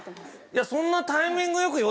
いやそんなタイミング良くよ